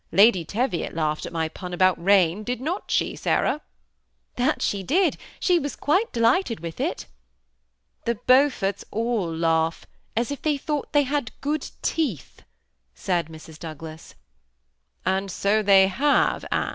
Lady Teviot laughed at my pun about rain, did not she, Sarah ?"^ That she did ; she was quite delighted with it." ^ The Beauibrts all laugh as if they thought they had good teeth," said Mrs. Douglas. " And 60 they have, Anne."